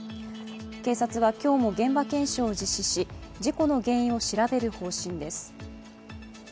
警察は今日も現場検証を実施し事故の原因を調べる方針です。